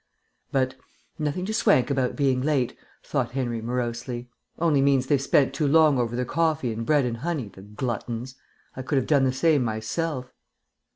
But "Nothing to swank about in being late," thought Henry morosely; "only means they've spent too long over their coffee and bread and honey, the gluttons. I could have done the same myself."